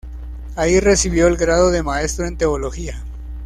Allí recibió el grado de maestro en teología.